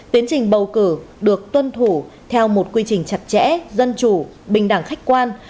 tiến trình bầu cử được tuân thủ theo một quy trình chặt chẽ dân chủ bình đẳng khách quan